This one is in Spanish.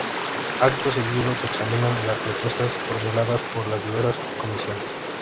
Acto seguido se examinan las propuestas formuladas por las diversas Comisiones.